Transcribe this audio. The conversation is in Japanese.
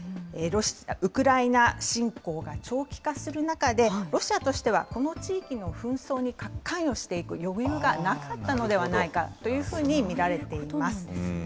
ウクライナ侵攻が長期化する中で、ロシアとしてはこの地域の紛争に関与していく余裕がなかったのではないかというふうに見られています。